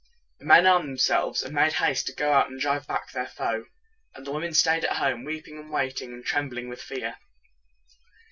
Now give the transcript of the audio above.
The men armed themselves, and made haste to go out and drive back their foe; and the women staid at home, weeping and waiting, and trembling with fear.